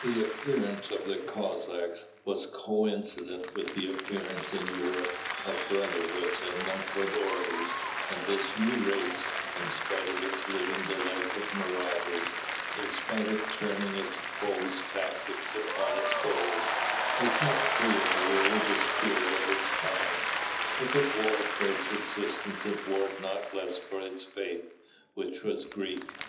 The appearance of the Cossacks was coincident with the appearance in Europe of brotherhoods and knighthood orders, and this new race, in spite of its living the life of marauders, in spite of turnings its foes' tactics upon its foes, was not free of the religious spirit of its time; if it warred for its existence it warred not less for its faith, which was Greek.